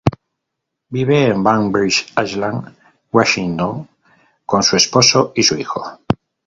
Vive en Bainbridge Island, Washington, con su esposo y su hijo.